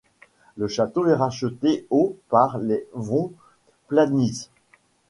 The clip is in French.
Le château est racheté au par les von Planitz.